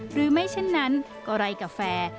หรือไม่เช่นนั้นก็ไร้กาแฟ